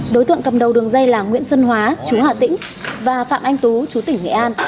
đối tượng cầm đầu đường dây là nguyễn xuân hóa chú hà tĩnh và phạm anh tú chú tỉnh nghệ an